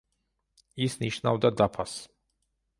ის ნიშნავდა დაფას.